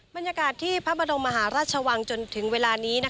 บรรยากาศที่พระบรมมหาราชวังจนถึงเวลานี้